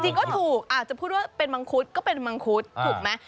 จริงก็ถูกอาจจะพูดว่าเป็นมังคุดก็เป็นมังคุดถูกไหม